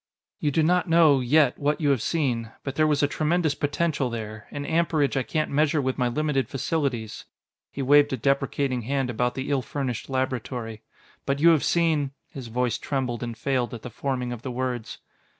"You do not know, yet, what you have seen, but there was a tremendous potential there an amperage I can't measure with my limited facilities." He waved a deprecating hand about the ill furnished laboratory. "But you have seen " His voice trembled and failed at the forming of the words.